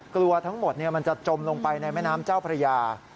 กลัวทั้งหมดมันจะจมลงไปในแม่น้ำเจ้าพระยา